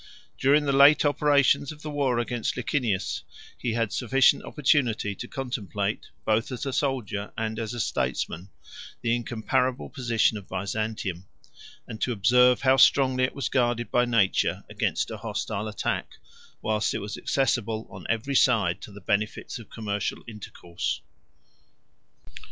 During the late operations of the war against Licinius, he had sufficient opportunity to contemplate, both as a soldier and as a statesman, the incomparable position of Byzantium; and to observe how strongly it was guarded by nature against a hostile attack, whilst it was accessible on every side to the benefits of commercial intercourse.